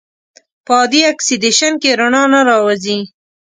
په عادي اکسیدیشن کې رڼا نه راوځي.